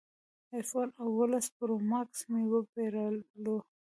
ایفون اوولس پرو ماکس مې وپېرلو